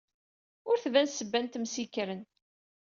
Ur tban ssebba n tmes yekkren.